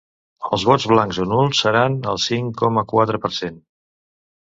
Els vots blancs o nuls seran el cinc coma quatre per cent.